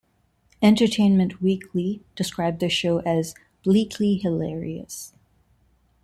"Entertainment Weekly" described the show as "bleakly hilarious".